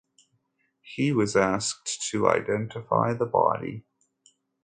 He was asked to identify the body.